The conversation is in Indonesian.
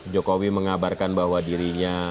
jokowi mengabarkan bahwa dirinya